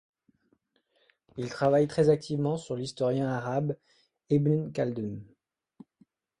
Il travaille très activement sur l'historien arabe Ibn Khaldûn.